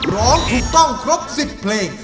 ร้องถูกต้องครบ๑๐เพลง